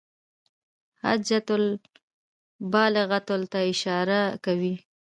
حجة الله البالغة ته اشاره کوي.